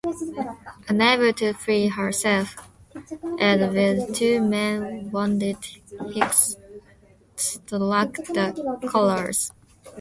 Unable to free herself, and with two men wounded, Hicks struck the colors.